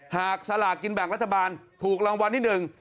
สลากกินแบ่งรัฐบาลถูกรางวัลที่หนึ่ง